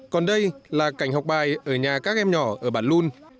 còn đây là cảnh học bài ở nhà các em nhỏ ở bản luân